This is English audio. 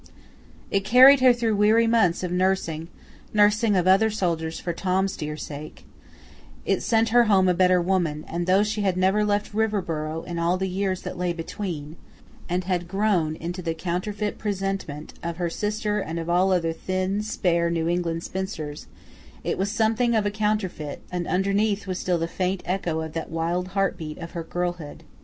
It carried her through weary months of nursing nursing of other soldiers for Tom's dear sake; it sent her home a better woman; and though she had never left Riverboro in all the years that lay between, and had grown into the counterfeit presentment of her sister and of all other thin, spare, New England spinsters, it was something of a counterfeit, and underneath was still the faint echo of that wild heart beat of her girlhood.